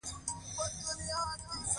ډوډۍ شریکول هم منع وو.